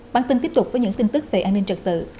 bản tin tiếp tục với những tin tức về an ninh trật tự